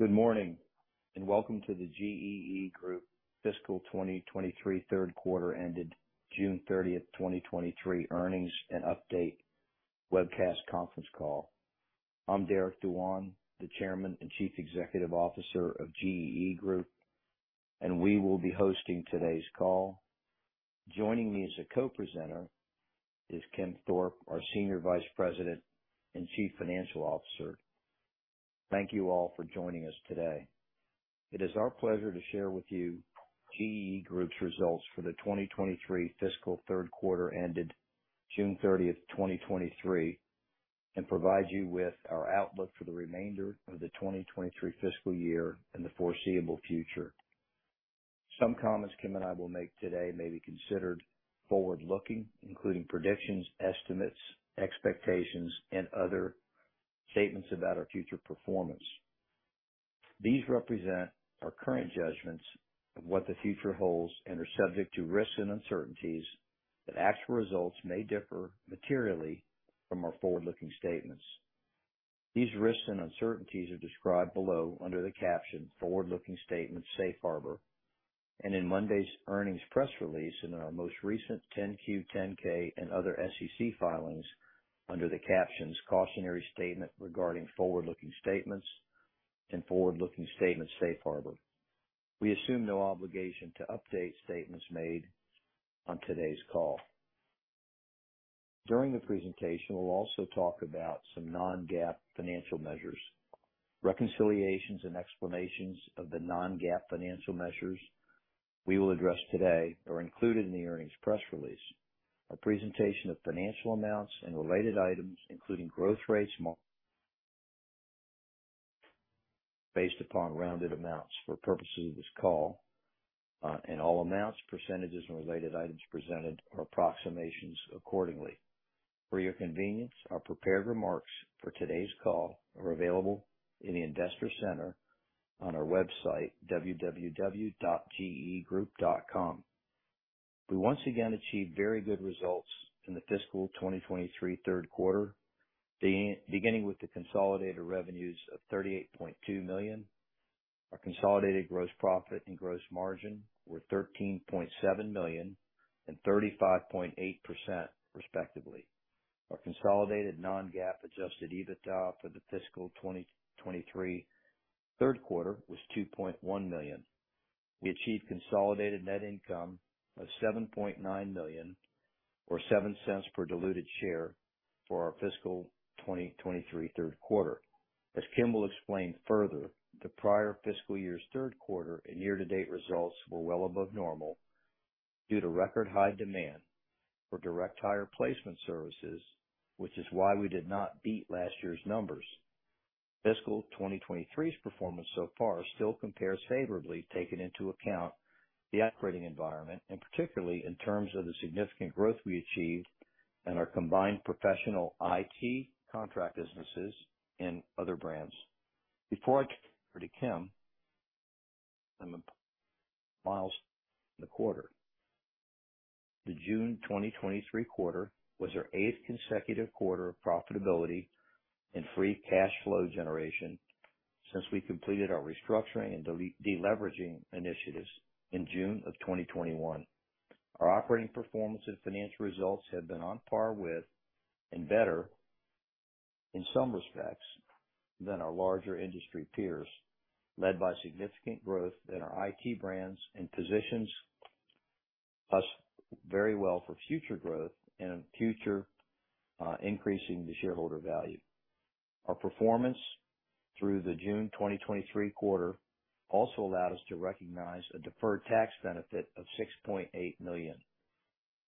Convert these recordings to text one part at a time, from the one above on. Good morning, and welcome to the GEE Group Fiscal 2023 third quarter ended June 30th, 2023, earnings and update webcast conference call. I'm Derek Dewan, the Chairman and Chief Executive Officer of GEE Group, and we will be hosting today's call. Joining me as a co-presenter is Kim Thorpe, our Senior Vice President and Chief Financial Officer. Thank you all for joining us today. It is our pleasure to share with you GEE Group's results for the 2023 fiscal third quarter ended June 30th, 2023, and provide you with our outlook for the remainder of the 2023 fiscal year and the foreseeable future. Some comments Kim and I will make today may be considered forward-looking, including predictions, estimates, expectations, and other statements about our future performance. These represent our current judgments of what the future holds and are subject to risks and uncertainties, that actual results may differ materially from our forward-looking statements. These risks and uncertainties are described below under the caption Forward-Looking Statements Safe Harbor, and in Monday's earnings press release, and in our most recent 10-Q, 10-K and other SEC filings under the captions: Cautionary Statement Regarding Forward-Looking Statements and Forward-Looking Statements Safe Harbor. We assume no obligation to update statements made on today's call. During the presentation, we'll also talk about some non-GAAP financial measures. Reconciliations and explanations of the non-GAAP financial measures we will address today are included in the earnings press release. Our presentation of financial amounts and related items, including growth rates, based upon rounded amounts for purposes of this call, and all amounts, percentages, and related items presented are approximations accordingly. For your convenience, our prepared remarks for today's call are available in the Investor Center on our website, www.geegroup.com. We once again achieved very good results in the fiscal 2023 third quarter, beginning with the consolidated revenues of $38.2 million. Our consolidated gross profit and gross margin were $13.7 million and 35.8%, respectively. Our consolidated non-GAAP Adjusted EBITDA for the fiscal 2023 third quarter was $2.1 million. We achieved consolidated net income of $7.9 million or $0.07 per diluted share for our fiscal 2023 third quarter. As Kim will explain further, the prior fiscal year's third quarter and year-to-date results were well above normal due to record-high demand for direct hire placement services, which is why we did not beat last year's numbers. Fiscal 2023's performance so far still compares favorably, taking into account the operating environment, particularly in terms of the significant growth we achieved in our combined professional IT contract businesses and other brands. Before I turn it over to Kim, on the milestones in the quarter. The June 2023 quarter was our eighth consecutive quarter of profitability and free cash flow generation since we completed our restructuring and deleveraging initiatives in June of 2021. Our operating performance and financial results have been on par with and better in some respects than our larger industry peers, led by significant growth in our IT brands and positions us very well for future growth and future increasing the shareholder value. Our performance through the June 2023 quarter also allowed us to recognize a deferred tax benefit of $6.8 million.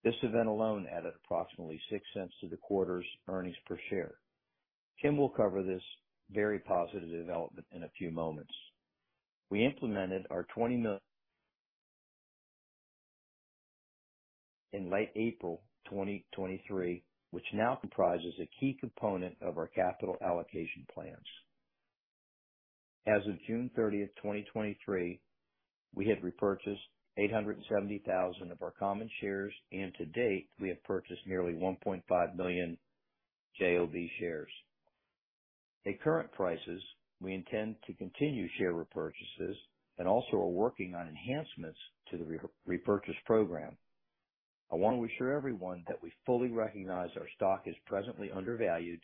This event alone added approximately $0.06 to the quarter's earnings per share. Kim will cover this very positive development in a few moments. We implemented our $20 million in late April 2023, which now comprises a key component of our capital allocation plans. As of June 30th, 2023, we had repurchased 870,000 of our common shares, and to date, we have purchased nearly 1.5 million JOB shares. At current prices, we intend to continue share repurchases and also are working on enhancements to the repurchase program. I want to assure everyone that we fully recognize our stock is presently undervalued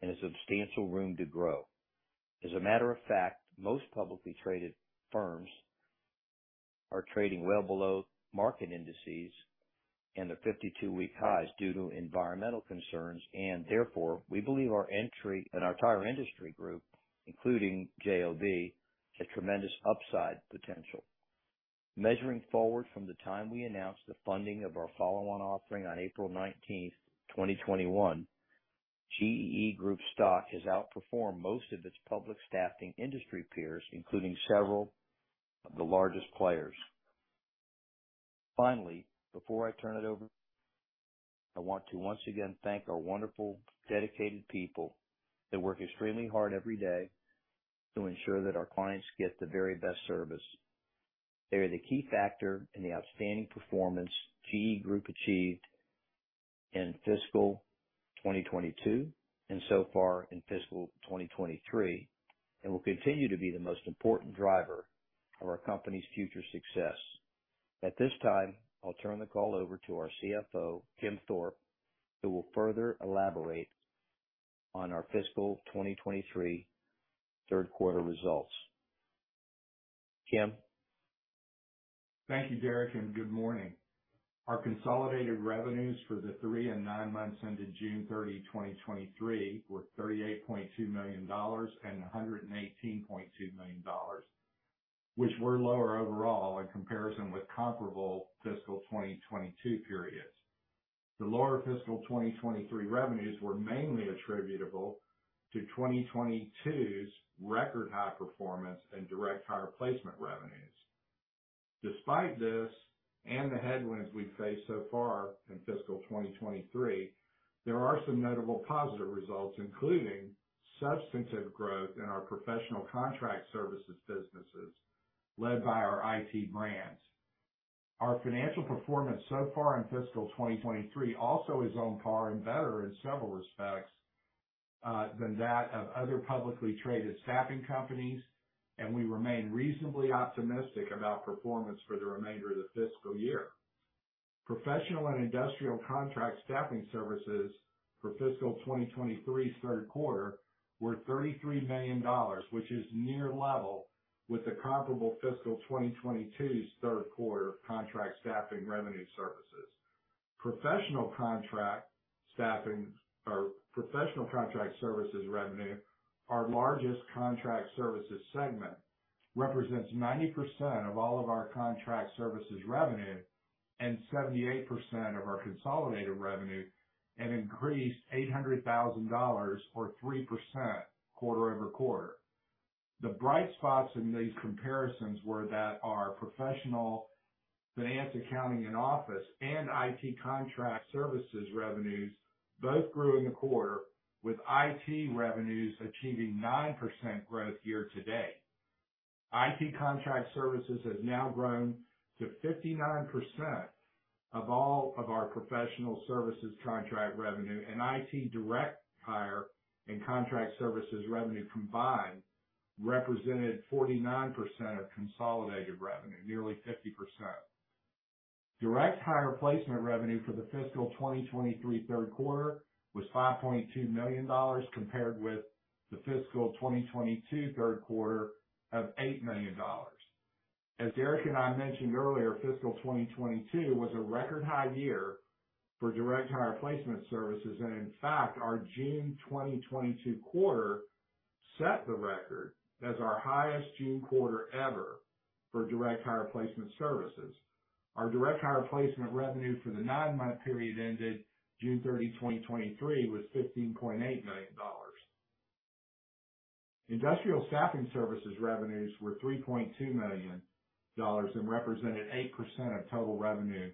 and has substantial room to grow. As a matter of fact, most publicly traded firms are trading well below market indices and their 52-week highs due to environmental concerns, and therefore, we believe our entry and our entire industry group, including JOB, has tremendous upside potential. Measuring forward from the time we announced the funding of our follow-on offering on April 19th, 2021, GEE Group's stock has outperformed most of its public staffing industry peers, including several of the largest players. Finally, before I turn it over, I want to once again thank our wonderful, dedicated people that work extremely hard every day to ensure that our clients get the very best service. They are the key factor in the outstanding performance GEE Group achieved in fiscal 2022, and so far in fiscal 2023, and will continue to be the most important driver of our company's future success. At this time, I'll turn the call over to our CFO, Kim Thorpe, who will further elaborate on our fiscal 2023 third quarter results. Kim? Thank you, Derek, and good morning. Our consolidated revenues for the three and nine months ended June 30, 2023, were $38.2 million and $118.2 million, which were lower overall in comparison with comparable fiscal 2022 periods. The lower fiscal 2023 revenues were mainly attributable to 2022's record high performance and direct higher placement revenues. Despite this, and the headwinds we've faced so far in fiscal 2023, there are some notable positive results, including substantive growth in our professional contract services businesses, led by our IT brands. Our financial performance so far in fiscal 2023 also is on par and better in several respects, than that of other publicly traded staffing companies, and we remain reasonably optimistic about performance for the remainder of the fiscal year. Professional and industrial contract staffing services for fiscal 2023's third quarter were $33 million, which is near level with the comparable fiscal 2022's third quarter contract staffing revenue services. Professional contract staffing or professional contract services revenue, our largest contract services segment, represents 90% of all of our contract services revenue and 78% of our consolidated revenue, and increased $800,000 or 3% quarter-over-quarter. The bright spots in these comparisons were that our professional finance, accounting, and office, and IT contract services revenues both grew in the quarter, with IT revenues achieving 9% growth year-to-date. IT contract services has now grown to 59% of all of our professional services contract revenue. IT direct hire and contract services revenue combined represented 49% of consolidated revenue, nearly 50%. Direct hire placement revenue for the fiscal 2023 third quarter was $5.2 million, compared with the fiscal 2022 third quarter of $8 million. As Derek and I mentioned earlier, fiscal 2022 was a record high year for direct hire placement services, and in fact, our June 2022 quarter set the record as our highest June quarter ever for direct hire placement services. Our direct hire placement revenue for the nine-month period ended June 30, 2023, was $15.8 million. Industrial staffing services revenues were $3.2 million and represented 8% of total revenue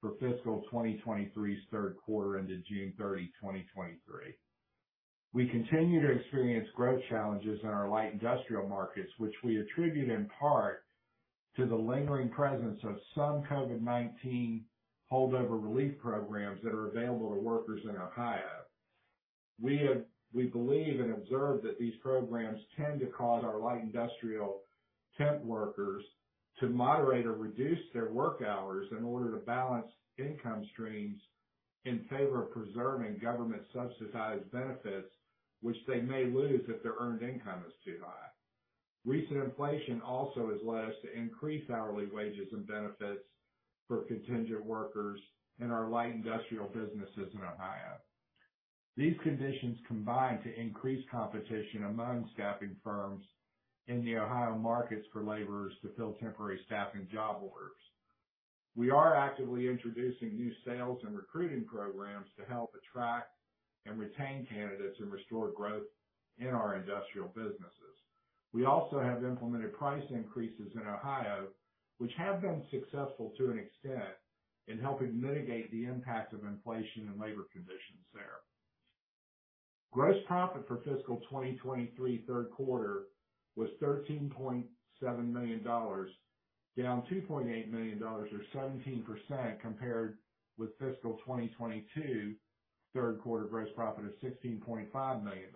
for fiscal 2023's third quarter ended June 30, 2023. We continue to experience growth challenges in our light industrial markets, which we attribute in part to the lingering presence of some COVID-19 holdover relief programs that are available to workers in Ohio. We believe and observe that these programs tend to cause our light industrial temp workers to moderate or reduce their work hours in order to balance income streams in favor of preserving government-subsidized benefits, which they may lose if their earned income is too high. Recent inflation also has led us to increase hourly wages and benefits for contingent workers in our light industrial businesses in Ohio. These conditions combine to increase competition among staffing firms in the Ohio markets for laborers to fill temporary staffing job orders. We are actively introducing new sales and recruiting programs to help attract and retain candidates and restore growth in our industrial businesses. We also have implemented price increases in Ohio, which have been successful to an extent in helping mitigate the impact of inflation and labor conditions there. Gross profit for fiscal 2023 third quarter was $13.7 million, down $2.8 million or 17% compared with fiscal 2022 third quarter gross profit of $16.5 million.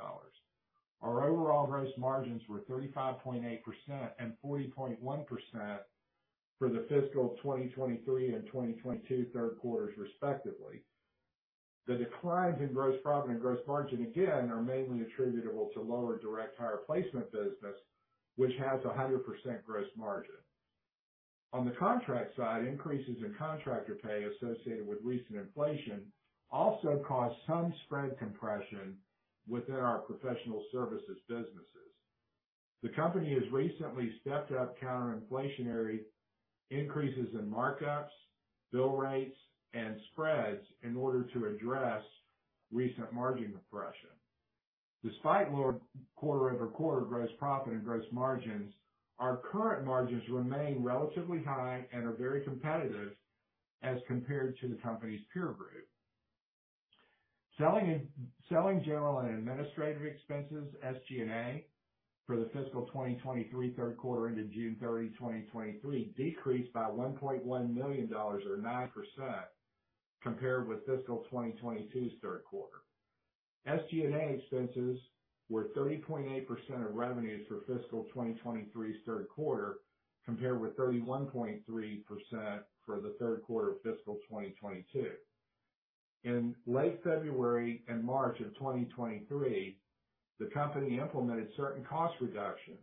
Our overall gross margins were 35.8% and 40.1% for the fiscal 2023 and 2022 third quarters, respectively. The declines in gross profit and gross margin again, are mainly attributable to lower direct hire placement business, which has a 100% gross margin. On the contract side, increases in contractor pay associated with recent inflation also caused some spread compression within our professional services businesses. The company has recently stepped up counter-inflationary increases in markups, bill rates, and spreads in order to address recent margin compression. Despite lower quarter-over-quarter gross profit and gross margins, our current margins remain relatively high and are very competitive as compared to the company's peer group. Selling, general and administrative expenses, SG&A, for the fiscal 2023 third quarter ended June 30, 2023, decreased by $1.1 million or 9% compared with fiscal 2022's third quarter. SG&A expenses were 30.8% of revenues for fiscal 2023's third quarter, compared with 31.3% for the third quarter of fiscal 2022. In late February and March of 2023, the company implemented certain cost reductions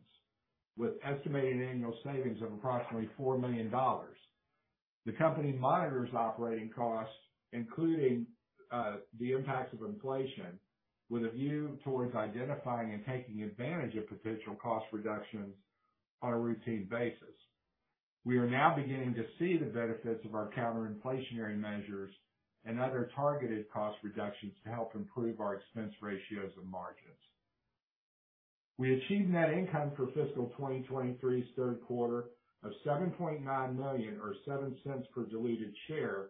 with estimated annual savings of approximately $4 million. The company monitors operating costs, including, the impacts of inflation, with a view towards identifying and taking advantage of potential cost reductions on a routine basis. We are now beginning to see the benefits of our counterinflationary measures and other targeted cost reductions to help improve our expense ratios and margins. We achieved net income for fiscal 2023's third quarter of $7.9 million, or $0.07 per diluted share,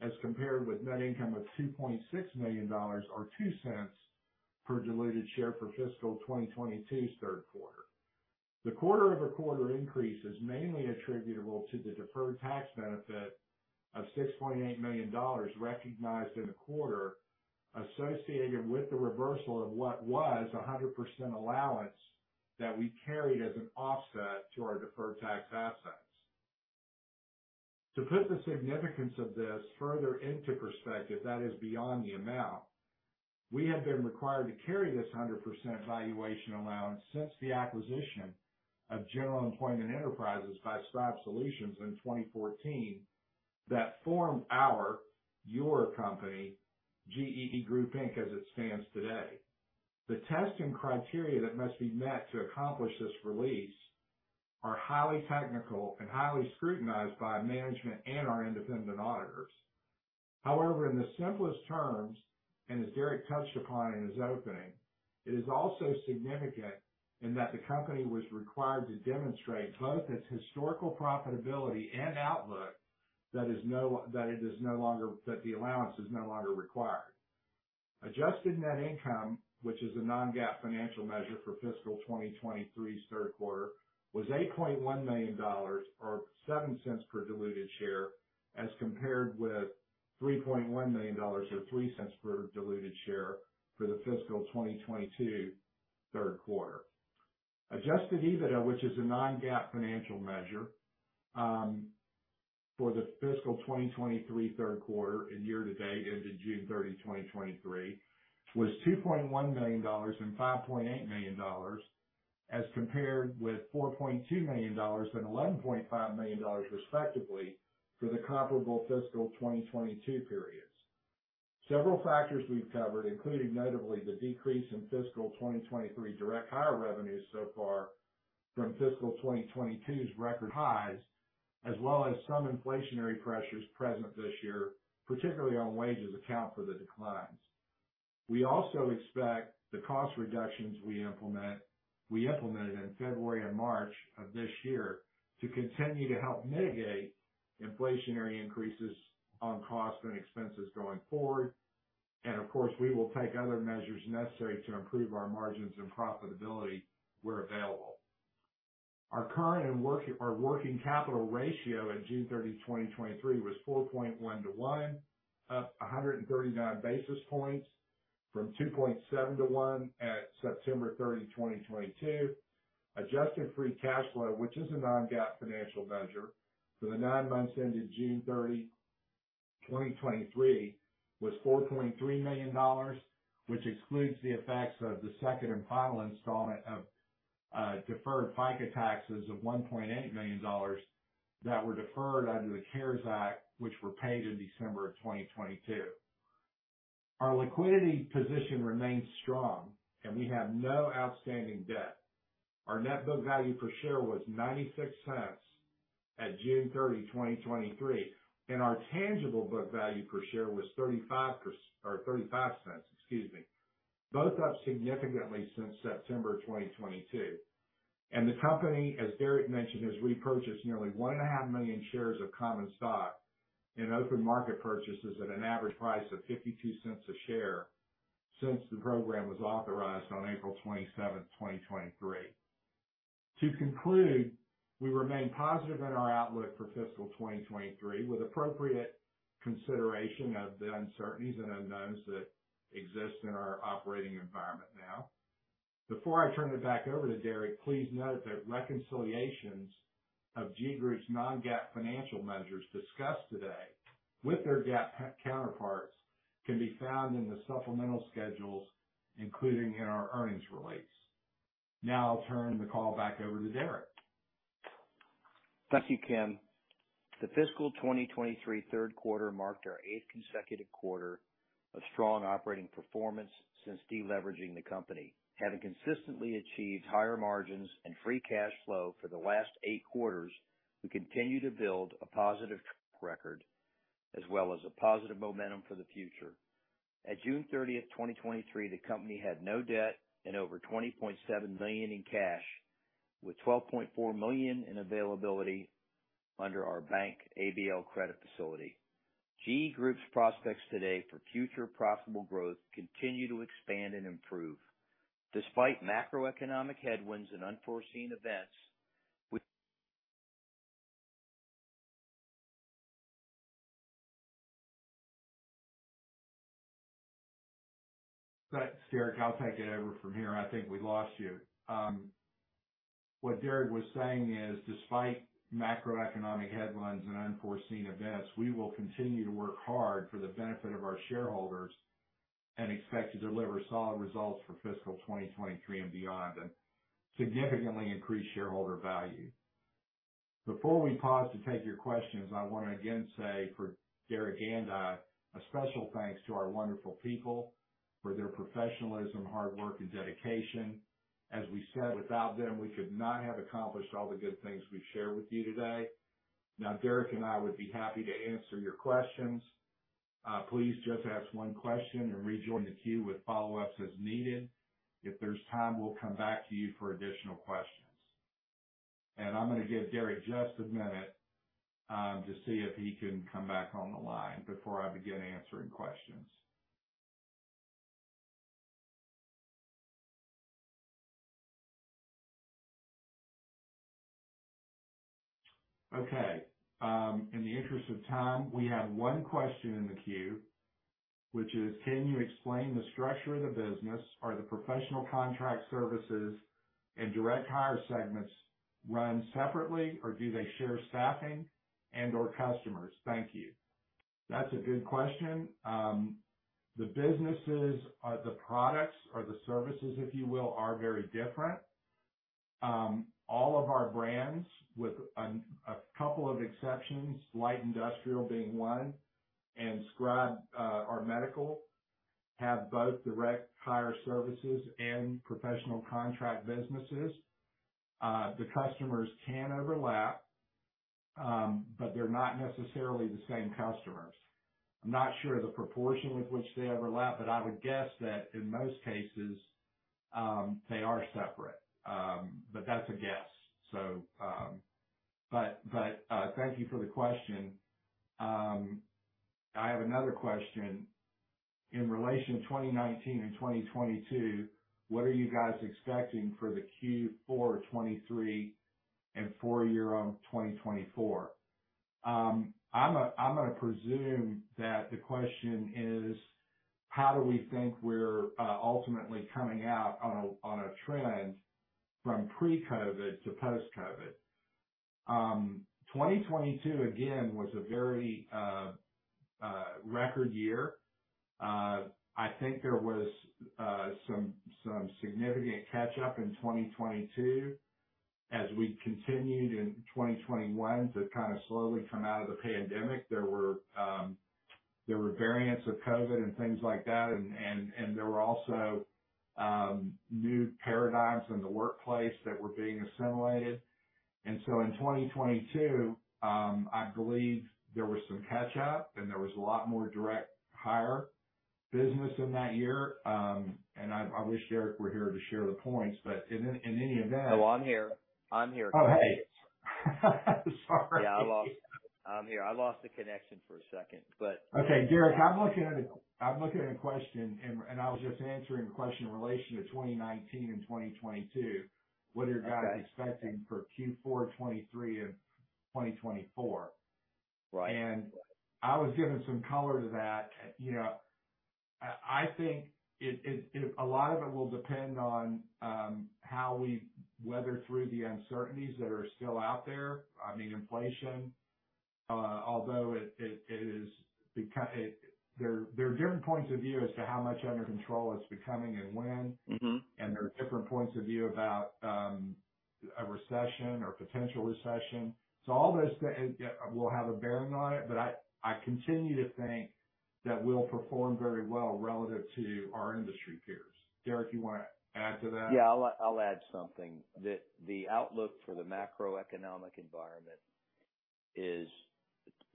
as compared with net income of $2.6 million, or $0.02 per diluted share for fiscal 2022's third quarter. The quarter-over-quarter increase is mainly attributable to the deferred tax benefit of $6.8 million recognized in the quarter, associated with the reversal of what was 100% allowance that we carried as an offset to our deferred tax assets. To put the significance of this further into perspective, that is beyond the amount, we have been required to carry this 100% valuation allowance since the acquisition of General Employment Enterprises by Staff Solutions in 2014, that formed our, your company, GEE Group, Inc., as it stands today. The testing criteria that must be met to accomplish this release are highly technical and highly scrutinized by management and our independent auditors. In the simplest terms, and as Derek touched upon in his opening, it is also significant in that the company was required to demonstrate both its historical profitability and outlook, that it is no longer. That the allowance is no longer required. Adjusted net income, which is a non-GAAP financial measure for fiscal 2023's third quarter, was $8.1 million or $0.07 per diluted share, as compared with $3.1 million or $0.03 per diluted share for the fiscal 2022 third quarter. Adjusted EBITDA, which is a non-GAAP financial measure, for the fiscal 2023 third quarter and year-to-date ended June 30, 2023, was $2.1 million and $5.8 million, as compared with $4.2 million and $11.5 million, respectively, for the comparable fiscal 2022 periods. Several factors we've covered, including notably the decrease in fiscal 2023 direct hire revenues so far from fiscal 2022's record highs, as well as some inflationary pressures present this year, particularly on wages, account for the declines. We also expect the cost reductions we implemented in February and March of this year to continue to help mitigate inflationary increases on costs and expenses going forward. Of course, we will take other measures necessary to improve our margins and profitability where available. Our current and our working capital ratio at June 30, 2023, was 4.1 to 1, up 139 basis points from 2.7 to 1 at September 30, 2022. Adjusted free cash flow, which is a non-GAAP financial measure, for the nine months ended June 30, 2023, was $4.3 million, which excludes the effects of the second and final installment of deferred FICA taxes of $1.8 million that were deferred under the CARES Act, which were paid in December of 2022. Our liquidity position remains strong, and we have no outstanding debt. Our net book value per share was $0.96 at June 30, 2023, and our tangible book value per share was $0.35, excuse me, both up significantly since September 2022. The company, as Derek mentioned, has repurchased nearly 1.5 million shares of common stock in open market purchases at an average price of $0.52 a share since the program was authorized on April 27, 2023. To conclude, we remain positive in our outlook for fiscal 2023, with appropriate consideration of the uncertainties and unknowns that exist in our operating environment now. Before I turn it back over to Derek, please note that reconciliations of GEE Group's non-GAAP financial measures discussed today with their GAAP counterparts, can be found in the supplemental schedules, including in our earnings release. Now I'll turn the call back over to Derek. Thank you, Kim. The fiscal 2023 third quarter marked our eighth consecutive quarter of strong operating performance since deleveraging the company. Having consistently achieved higher margins and free cash flow for the last eight quarters, we continue to build a positive track record as well as a positive momentum for the future. At June 30th, 2023, the company had no debt and over $20.7 million in cash, with $12.4 million in availability under our bank ABL credit facility. GEE Group's prospects today for future profitable growth continue to expand and improve. Despite macroeconomic headwinds and unforeseen events, we. Right, Derek, I'll take it over from here. I think we lost you. What Derek was saying is, despite macroeconomic headwinds and unforeseen events, we will continue to work hard for the benefit of our shareholders and expect to deliver solid results for fiscal 2023 and beyond, and significantly increase shareholder value. Before we pause to take your questions, I wanna again say, for Derek and I, a special thanks to our wonderful people for their professionalism, hard work, and dedication. As we said, without them, we could not have accomplished all the good things we've shared with you today. Now, Derek and I would be happy to answer your questions. Please just ask one question and rejoin the queue with follow-ups as needed. If there's time, we'll come back to you for additional questions. I'm gonna give Derek just a minute to see if he can come back on the line before I begin answering questions. Okay, in the interest of time, we have one question in the queue, which is: "Can you explain the structure of the business? Are the professional contract services and direct hire segments run separately, or do they share staffing and/or customers? Thank you." That's a good question. The businesses, or the products, or the services, if you will, are very different. All of our brands, with an, a couple of exceptions, Light Industrial being one, and Scribe, our medical, have both direct hire services and professional contract businesses. The customers can overlap, but they're not necessarily the same customers. I'm not sure the proportion with which they overlap, but I would guess that in most cases, they are separate. That's a guess, so. Thank you for the question. I have another question: "In relation to 2019 and 2022, what are you guys expecting for the Q4 of 2023 and full year of 2024?" I'm gonna presume that the question is, how do we think we're ultimately coming out on a trend from pre-COVID to post-COVID? 2022, again, was a very record year. I think there was some significant catch-up in 2022. As we continued in 2021 to kind of slowly come out of the pandemic, there were variants of COVID and things like that, and, and, and there were also new paradigms in the workplace that were being assimilated. In 2022, I believe there was some catch-up, and there was a lot more direct hire business in that year. I, I wish Derek were here to share the points, but in, in any event. Oh, I'm here. I'm here. Oh, hey! Sorry. Yeah, I lost... I'm here. I lost the connection for a second, but- Okay, Derek, I'm looking at a question, and I was just answering a question in relation to 2019 and 2022. Okay. What are you guys expecting for Q4 2023 and 2024? Right. I was giving some color to that. You know, I, I think a lot of it will depend on how we weather through the uncertainties that are still out there. I mean, inflation, although it is. There are different points of view as to how much under control it's becoming and when. Mm-hmm. There are different points of view about a recession or potential recession. All those will have a bearing on it, but I, I continue to think that we'll perform very well relative to our industry peers. Derek, you wanna add to that? Yeah, I'll, I'll add something. That the outlook for the macroeconomic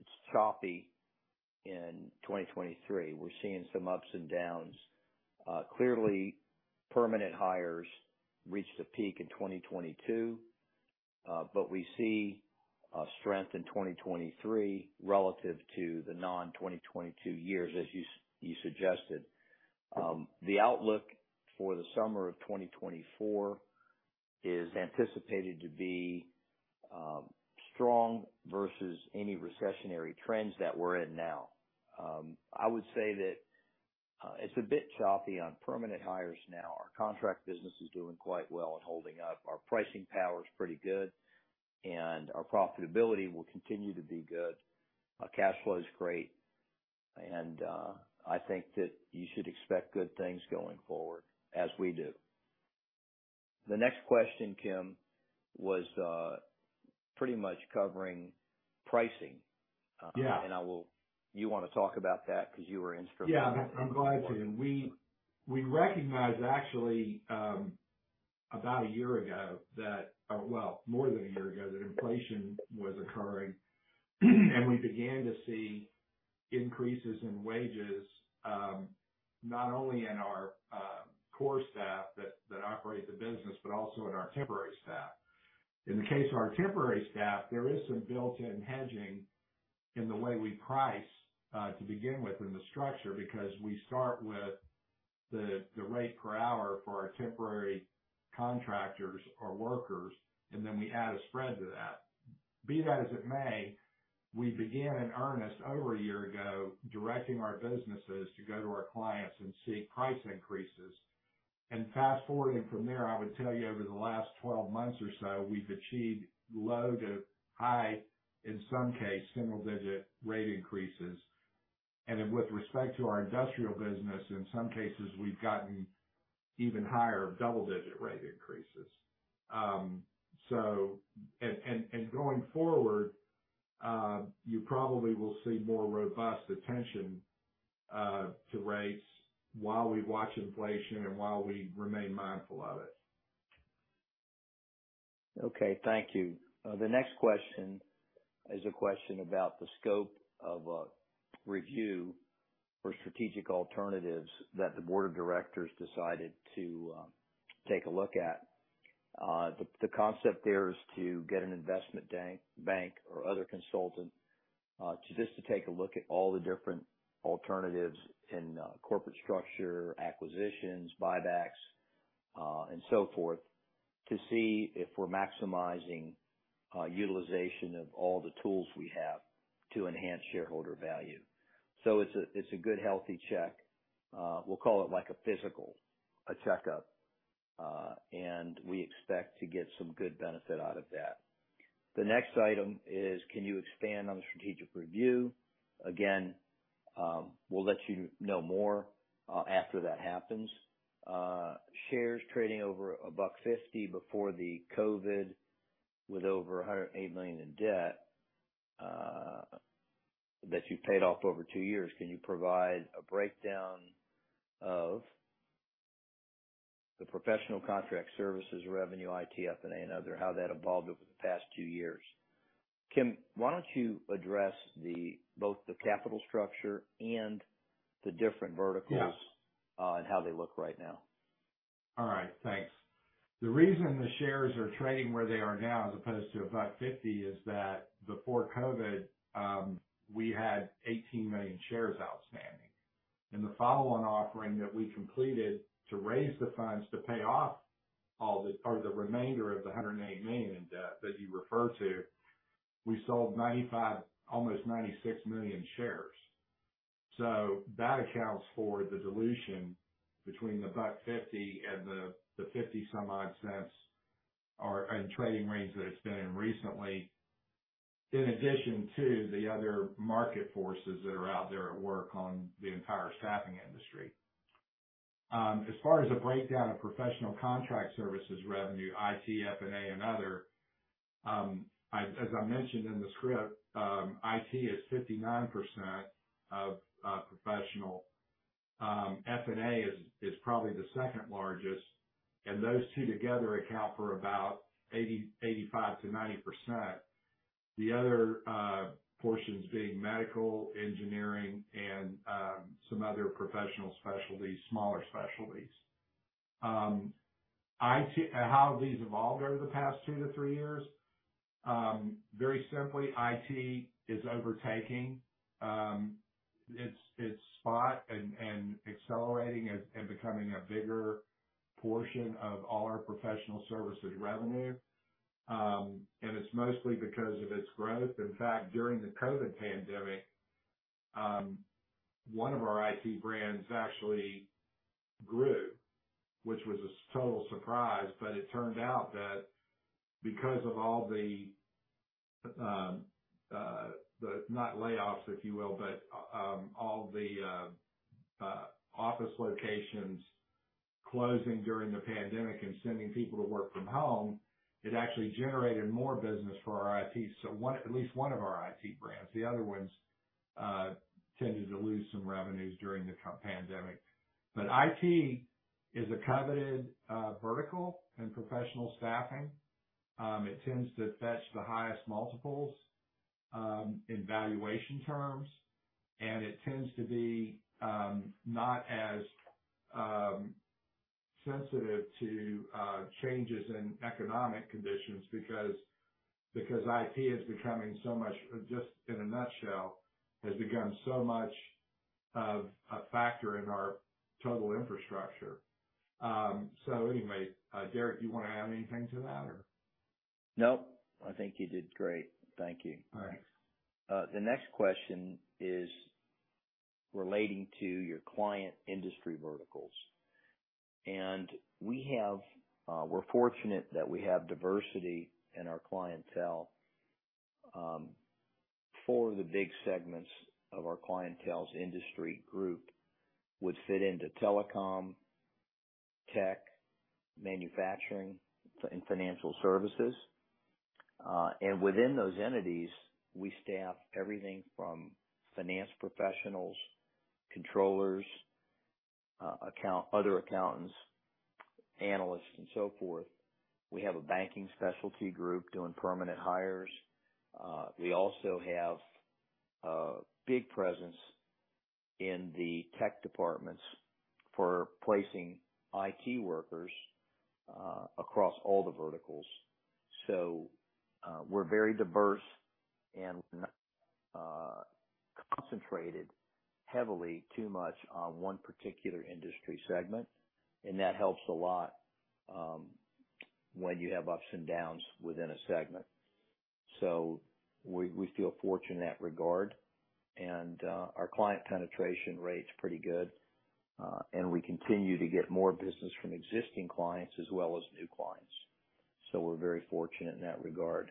environment is choppy in 2023. We're seeing some ups and downs. clearly, permanent hires reached a peak in 2022, but we see strength in 2023 relative to the non-2022 years, as you suggested. The outlook for the summer of 2024 is anticipated to be strong versus any recessionary trends that we're in now. I would say that it's a bit choppy on permanent hires now. Our contract business is doing quite well and holding up. Our pricing power is pretty good, and our profitability will continue to be good. Our cash flow is great, and I think that you should expect good things going forward, as we do. The next question, Kim, was pretty much covering pricing. Yeah. I will-- You wanna talk about that? Because you were instrumental- Yeah, I'm glad to. We, we recognized, actually, about a year ago, well, more than a year ago, that inflation was occurring, and we began to see increases in wages, not only in our core staff that, that operate the business, but also in our temporary staff. In the case of our temporary staff, there is some built-in hedging in the way we price to begin with in the structure, because we start with the, the rate per hour for our temporary contractors or workers, and then we add a spread to that. Be that as it may, we began in earnest over a year ago, directing our businesses to go to our clients and seek price increases. Fast-forwarding from there, I would tell you, over the last 12 months or so, we've achieved low to high, in some case, single-digit rate increases. With respect to our industrial business, in some cases, we've gotten even higher double-digit rate increases. Going forward, you probably will see more robust attention to rates while we watch inflation and while we remain mindful of it. Okay. Thank you. The next question is a question about the scope of a review for strategic alternatives that the board of directors decided to take a look at. The, the concept there is to get an investment bank, bank or other consultant to just to take a look at all the different alternatives in corporate structure, acquisitions, buybacks, and so forth, to see if we're maximizing utilization of all the tools we have to enhance shareholder value. So it's a, it's a good, healthy check. We'll call it like a physical, a checkup, and we expect to get some good benefit out of that. The next item is: Can you expand on the strategic review? Again, we'll let you know more after that happens. Shares trading over $1.50 before the COVID, with over $108 million in debt that you paid off over two years. Can you provide a breakdown of the professional contract services revenue, IT, F&A, and other, how that evolved over the past two years? Kim, why don't you address both the capital structure and the different verticals. Yeah. How they look right now. All right. Thanks. The reason the shares are trading where they are now, as opposed to $1.50, is that before COVID, we had 18 million shares outstanding. In the follow-on offering that we completed to raise the funds to pay off all the... or the remainder of the $180 million in debt that you referred to, we sold 95 million, almost 96 million shares. That accounts for the dilution between the $1.50 and the, the $0.50 some odd cents, or, and trading range that it's been in recently, in addition to the other market forces that are out there at work on the entire staffing industry. As far as the breakdown of professional contract services revenue, IT, F&A, and other, as I mentioned in the script, IT is 59% of professional. F&A is, is probably the second largest, and those two together account for about 80%, 85%-90%. The other portions being medical, engineering, and some other professional specialties, smaller specialties. How have these evolved over the past two-three years? Very simply, IT is overtaking its, its spot and, and accelerating and, and becoming a bigger portion of all our professional services revenue. It's mostly because of its growth. In fact, during the COVID pandemic, one of our IT brands actually grew, which was a total surprise, but it turned out that because of all the not layoffs, if you will, but all the office locations closing during the pandemic and sending people to work from home, it actually generated more business for our IT. At least one of our IT brands. The other ones tended to lose some revenues during the COVID pandemic. IT is a coveted vertical in professional staffing. It tends to fetch the highest multiples in valuation terms, and it tends to be not as sensitive to changes in economic conditions because, because IT is becoming so much, just in a nutshell, has become so much of a factor in our total infrastructure. Anyway, Derrick, do you want to add anything to that or? Nope. I think you did great. Thank you. All right. The next question is relating to your client industry verticals. We're fortunate that we have diversity in our clientele. Four of the big segments of our clientele's industry group would fit into telecom, tech, manufacturing, and financial services. Within those entities, we staff everything from finance professionals, controllers, account, other accountants, analysts, and so forth. We have a banking specialty group doing permanent hires. We also have a big presence in the tech departments for placing IT workers across all the verticals. We're very diverse and concentrated heavily too much on one particular industry segment, and that helps a lot when you have ups and downs within a segment. We feel fortunate in that regard, and our client penetration rate's pretty good. We continue to get more business from existing clients as well as new clients. We're very fortunate in that regard.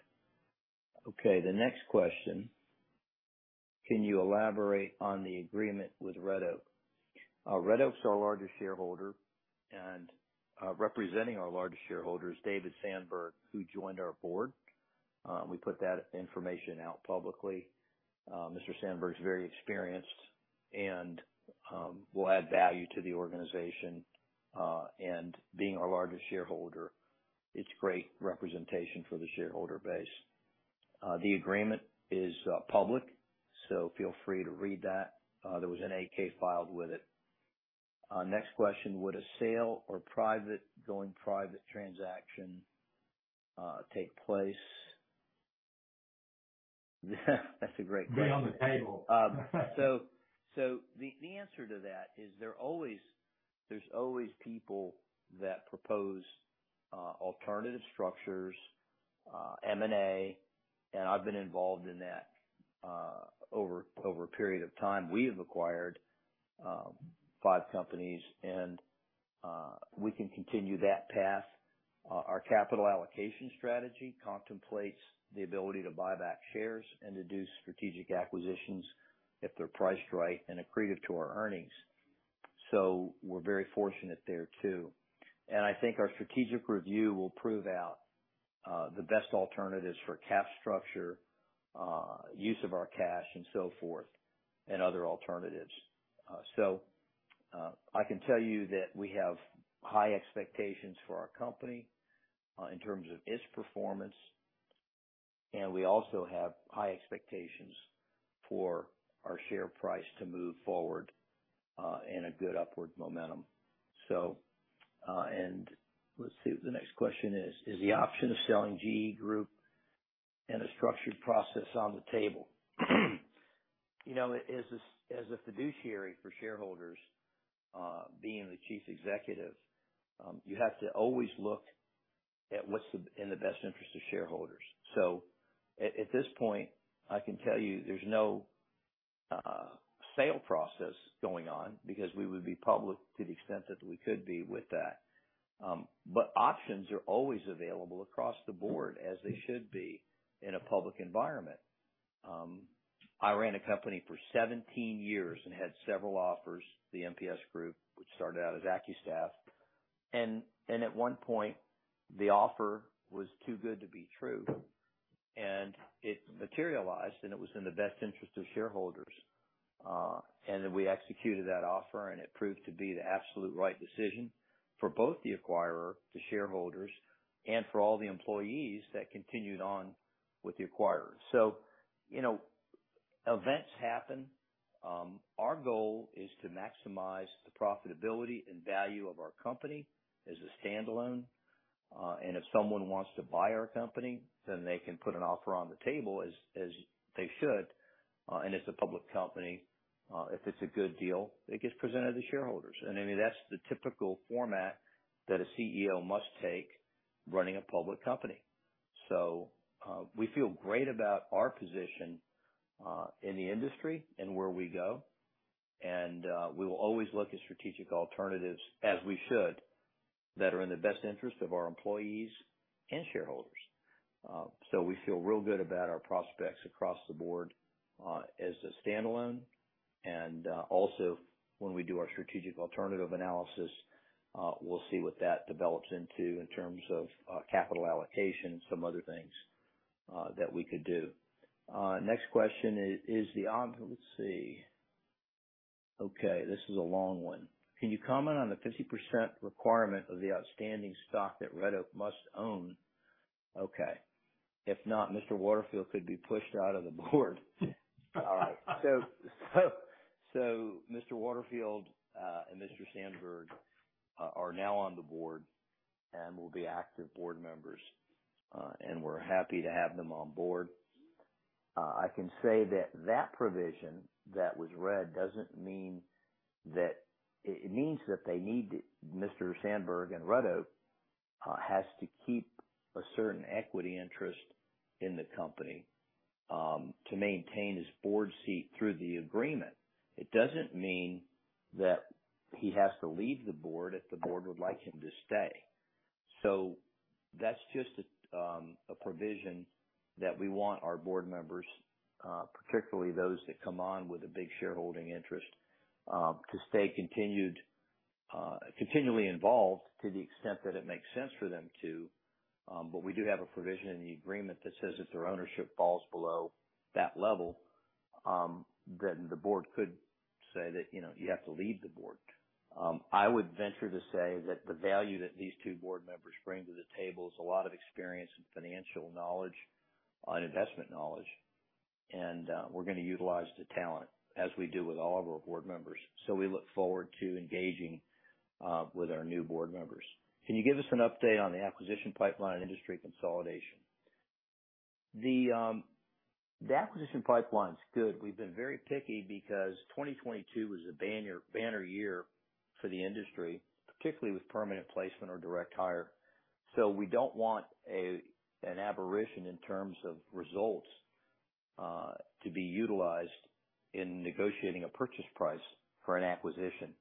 Okay, the next question: Can you elaborate on the agreement with Red Oak? Red Oak's our largest shareholder, and representing our largest shareholder is David Sandberg, who joined our board. We put that information out publicly. Mr. Sandberg's very experienced and will add value to the organization, and being our largest shareholder, it's great representation for the shareholder base. The agreement is public, so feel free to read that. There was an 8-K filed with it. Next question: Would a sale or private, going private transaction, take place? That's a great question. Right on the table. The, the answer to that is there are always... there's always people that propose alternative structures, M&A, and I've been involved in that over, over a period of time. We have acquired five companies, and we can continue that path. Our capital allocation strategy contemplates the ability to buy back shares and to do strategic acquisitions if they're priced right and accretive to our earnings. We're very fortunate there, too. I think our strategic review will prove out the best alternatives for cap structure, use of our cash, and so forth, and other alternatives. I can tell you that we have high expectations for our company in terms of its performance, and we also have high expectations for our share price to move forward in a good upward momentum. Let's see what the next question is. Is the option of selling GEE Group in a structured process on the table? You know, as a, as a fiduciary for shareholders, being the Chief Executive, you have to always look at what's the, in the best interest of shareholders. At, at this point, I can tell you there's no sale process going on because we would be public to the extent that we could be with that. Options are always available across the board, as they should be, in a public environment. I ran a company for 17 years and had several offers, the MPS Group, which started out as AccuStaff, at one point, the offer was too good to be true, and it materialized, and it was in the best interest of shareholders. Then we executed that offer, and it proved to be the absolute right decision for both the acquirer, the shareholders, and for all the employees that continued on with the acquirer. You know, events happen. Our goal is to maximize the profitability and value of our company as a standalone, and if someone wants to buy our company, then they can put an offer on the table as, as they should. As a public company, if it's a good deal, it gets presented to shareholders. I mean, that's the typical format that a CEO must take running a public company. We feel great about our position in the industry and where we go, and we will always look at strategic alternatives as we should, that are in the best interest of our employees and shareholders. We feel real good about our prospects across the board, as a standalone, and, also, when we do our strategic alternative analysis, we'll see what that develops into in terms of, capital allocation and some other things, that we could do. Next question is the op... Let's see. Okay, this is a long one. Can you comment on the 50% requirement of the outstanding stock that Red Oak must own? Okay. If not, Mr. Waterfield could be pushed out of the board. All right. Mr. Waterfield, and Mr. Sandberg, are now on the board and will be active board members, and we're happy to have them on board. I can say that that provision that was read doesn't mean that... It, it means that they need Mr. Sandberg, and Red Oak, has to keep a certain equity interest in the company, to maintain his board seat through the agreement. It doesn't mean that he has to leave the board if the board would like him to stay. That's just a, a provision that we want our board members, particularly those that come on with a big shareholding interest, to stay continued, continually involved to the extent that it makes sense for them to. We do have a provision in the agreement that says if their ownership falls below that level, then the board could say that, you know, you have to leave the board. I would venture to say that the value that these two board members bring to the table is a lot of experience and financial knowledge and investment knowledge, and we're gonna utilize the talent as we do with all of our board members. So we look forward to engaging with our new board members. Can you give us an update on the acquisition pipeline and industry consolidation? The acquisition pipeline's good. We've been very picky because 2022 was a banner, banner year for the industry, particularly with permanent placement or direct hire. So we don't want a, an aberration in terms of results, to be utilized in negotiating a purchase price for an acquisition.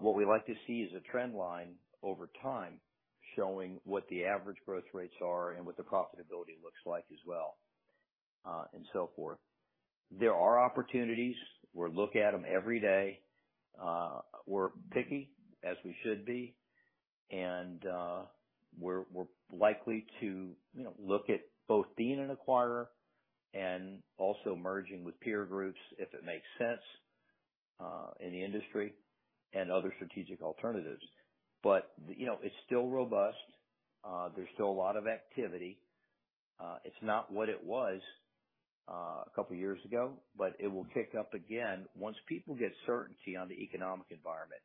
What we like to see is a trend line over time showing what the average growth rates are and what the profitability looks like as well, and so forth. There are opportunities. We're look at them every day. We're picky, as we should be, and we're, we're likely to, you know, look at both being an acquirer and also merging with peer groups if it makes sense in the industry and other strategic alternatives. You know, it's still robust. There's still a lot of activity. It's not what it was a couple of years ago, but it will pick up again once people get certainty on the economic environment.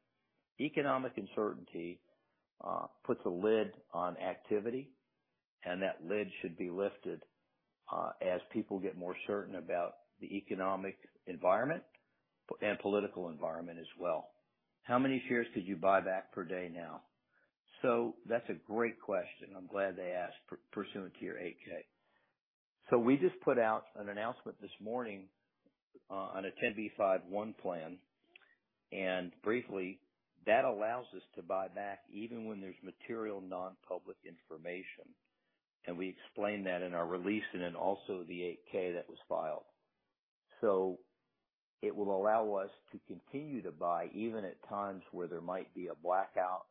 Economic uncertainty puts a lid on activity, and that lid should be lifted as people get more certain about the economic environment and political environment as well. How many shares did you buy back per day now? That's a great question. I'm glad they asked, pursuant to your 8-K. We just put out an announcement this morning on a 10b5-1 plan, and briefly, that allows us to buy back even when there's material, non-public information. We explained that in our release and in also the 8-K that was filed. It will allow us to continue to buy, even at times where there might be a blackout,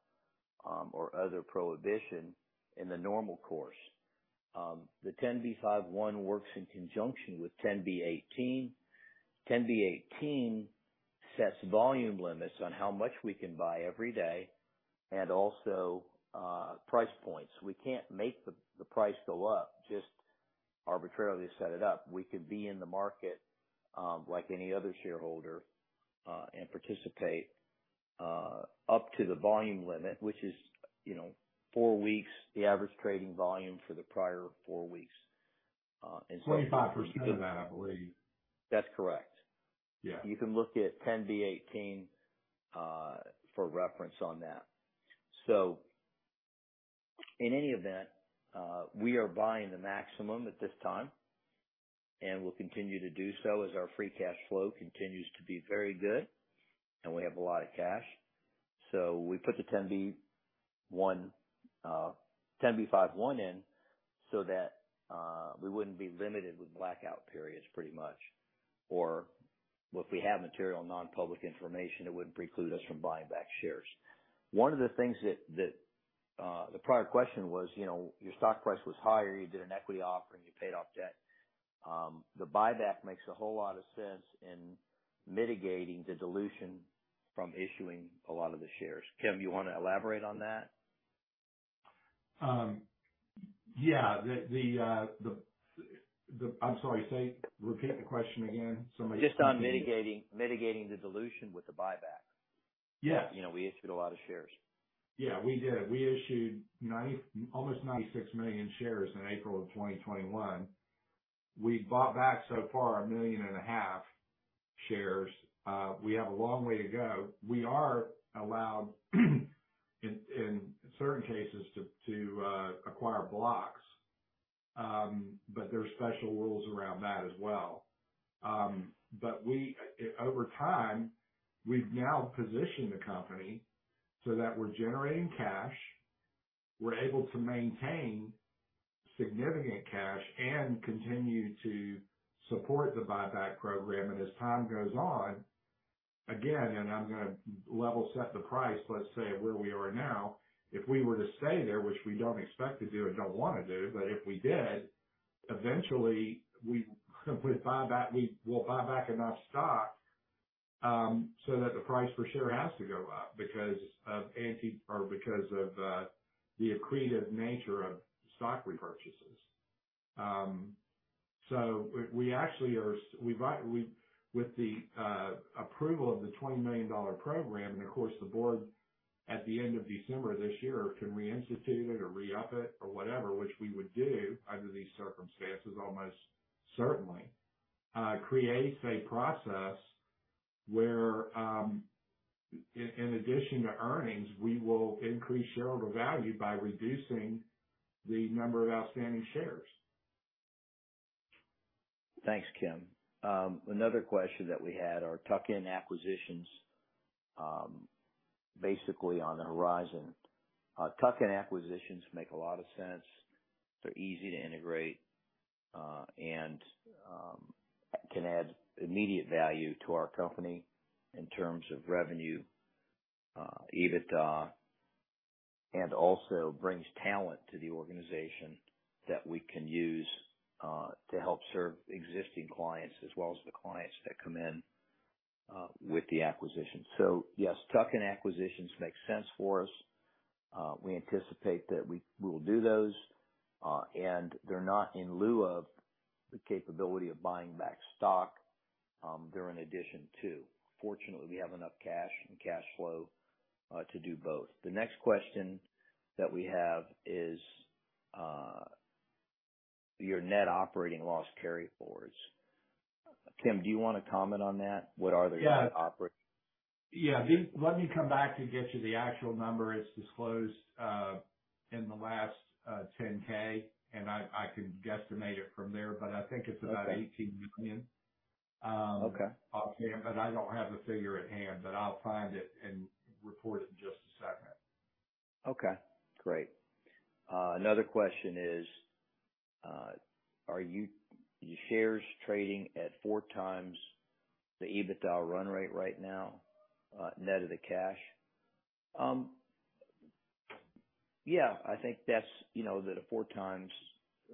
or other prohibition in the normal course. The 10b5-1 works in conjunction with 10b-18. 10b-18 sets volume limits on how much we can buy every day and also price points. We can't make the price go up, just arbitrarily set it up. We can be in the market, like any other shareholder, and participate, up to the volume limit, which is, you know, four weeks, the average trading volume for the prior four weeks. 25% of that, I believe. That's correct. Yeah. You can look at 10b-18, for reference on that. In any event, we are buying the maximum at this time, and we'll continue to do so as our free cash flow continues to be very good, and we have a lot of cash. We put the 10b5-1 in, so that we wouldn't be limited with blackout periods, pretty much, or if we have material, non-public information, it wouldn't preclude us from buying back shares. One of the things that, that, the prior question was, you know, your stock price was higher, you did an equity offering, you paid off debt. The buyback makes a whole lot of sense in mitigating the dilution from issuing a lot of the shares. Kim, you want to elaborate on that? Yeah, I'm sorry, say, repeat the question again. Just on mitigating, mitigating the dilution with the buyback. Yeah. You know, we issued a lot of shares. Yeah, we did. We issued 90, almost 96 million shares in April of 2021. We bought back so far, 1.5 million shares. We have a long way to go. We are allowed, in, in certain cases, to, to acquire blocks. There are special rules around that as well. We, over time, we've now positioned the company so that we're generating cash, we're able to maintain significant cash and continue to support the buyback program. As time goes on, again, and I'm gonna level set the price, let's say, where we are now. If we were to stay there, which we don't expect to do and don't wanna do, but if we did, eventually we will buy back enough stock, so that the price per share has to go up because of anti- or because of the accretive nature of stock repurchases. We, we actually are with the approval of the $20 million program, and of course, the board at the end of December this year, can reinstitute it or re-up it or whatever, which we would do under these circumstances, almost certainly, creates a process where, in addition to earnings, we will increase shareholder value by reducing the number of outstanding shares. Thanks, Kim. Another question that we had, are tuck-in acquisitions, basically on the horizon? Tuck-in acquisitions make a lot of sense. They're easy to integrate, and can add immediate value to our company in terms of revenue, EBITDA, and also brings talent to the organization that we can use to help serve existing clients as well as the clients that come in with the acquisition. Yes, tuck-in acquisitions make sense for us. We anticipate that we, we will do those, and they're not in lieu of the capability of buying back stock. They're in addition to. Fortunately, we have enough cash and cash flow to do both. The next question that we have is, your net operating loss carryforwards. Kim, do you want to comment on that? What are the net operating... Yeah. Yeah, let me come back and get you the actual number. It's disclosed in the last 10-K, and I can guesstimate it from there, but I think it's about $18 million. Okay. I don't have the figure at hand, but I'll find it and report it in just a second. Okay, great. Another question is, are your shares trading at 4x the EBITDA run rate right now, net of the cash? Yeah, I think that's, you know, that a 4x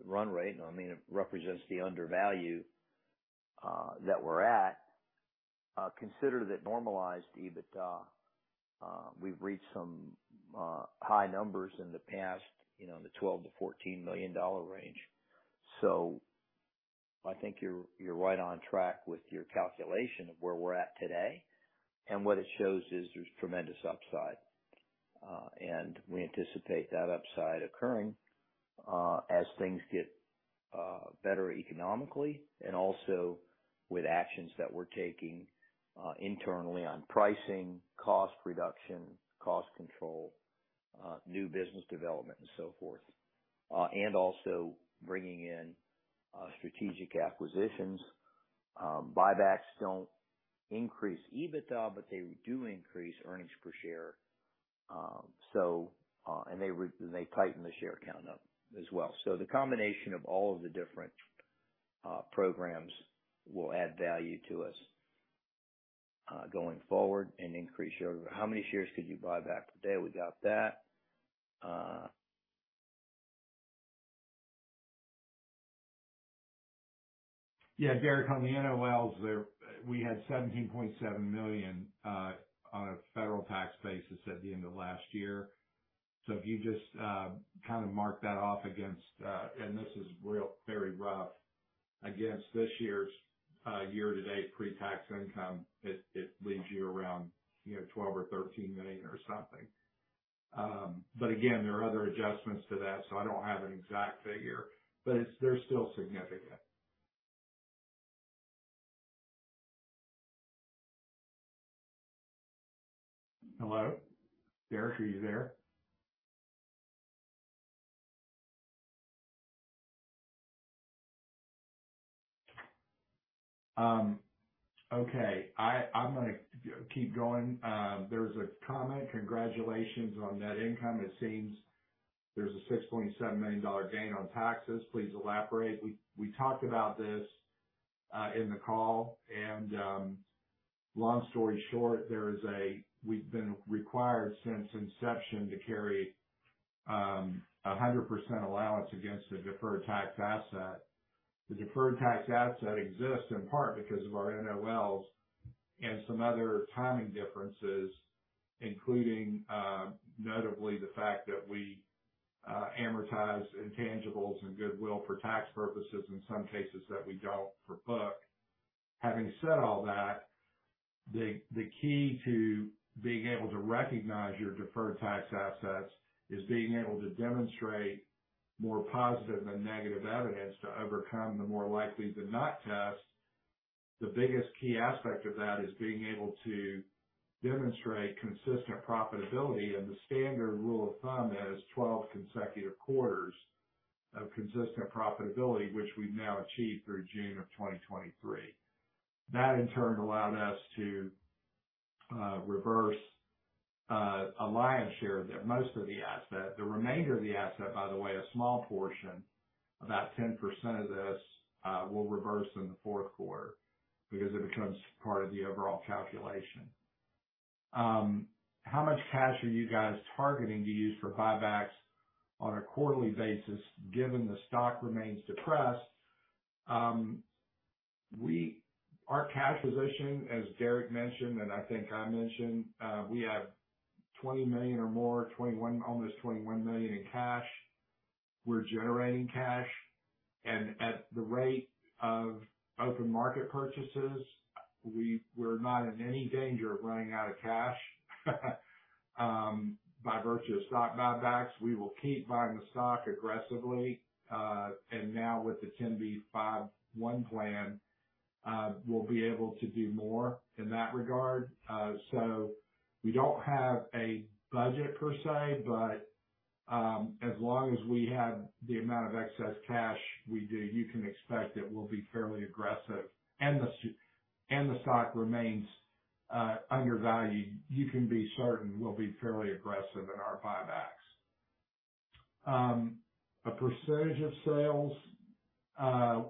run rate, I mean, it represents the undervalue that we're at. Consider that normalized EBITDA, we've reached some high numbers in the past, you know, in the $12 million-$14 million range. I think you're, you're right on track with your calculation of where we're at today, and what it shows is there's tremendous upside. And we anticipate that upside occurring as things get better economically and also with actions that we're taking internally on pricing, cost reduction, cost control, new business development, and so forth. And also bringing in strategic acquisitions. buybacks don't increase EBITDA, but they do increase earnings per share. and they re- and they tighten the share count up as well. The combination of all of the different, programs will add value to us, going forward and increase share... How many shares could you buy back today? We got that. Yeah, Derek, on the NOLs there, we had $17.7 million on a federal tax basis at the end of last year. If you just, kind of mark that off against, and this is real, very rough, against this year's year-to-date pre-tax income, it, it leaves you around, you know, $12 million or $13 million or something. Again, there are other adjustments to that, so I don't have an exact figure, but it's- they're still significant. Hello? Derek, are you there? I, I'm going to keep going. There's a comment: Congratulations on net income. It seems there's a $6.7 million gain on taxes. Please elaborate. We, we talked about this in the call, and long story short, there is we've been required since inception to carry 100% allowance against the deferred tax asset. The deferred tax asset exists in part because of our NOLs and some other timing differences, including notably the fact that we amortize intangibles and goodwill for tax purposes in some cases that we don't for book. Having said all that, the, the key to being able to recognize your deferred tax assets is being able to demonstrate more positive than negative evidence to overcome the more likely than not test. The biggest key aspect of that is being able to demonstrate consistent profitability, and the standard rule of thumb is 12 consecutive quarters of consistent profitability, which we've now achieved through June of 2023. That, in turn, allowed us to reverse a lion's share of the, most of the asset. The remainder of the asset, by the way, a small portion, about 10% of this, will reverse in the fourth quarter because it becomes part of the overall calculation. How much cash are you guys targeting to use for buybacks on a quarterly basis, given the stock remains depressed? Our cash position, as Derek mentioned, and I think I mentioned, we have $20 million or more, $21 million, almost $21 million in cash. We're generating cash, and at the rate of open market purchases, we're not in any danger of running out of cash. By virtue of stock buybacks, we will keep buying the stock aggressively. Now with the 10b5-1 plan, we'll be able to do more in that regard. We don't have a budget per se, but as long as we have the amount of excess cash we do, you can expect that we'll be fairly aggressive, and the stock remains undervalued. You can be certain we'll be fairly aggressive in our buybacks. A percentage of sales,